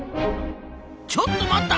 ちょっと待った！